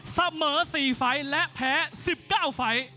ซับเมอร์๔ฝ่ายและแพ้๑๙ฝ่าย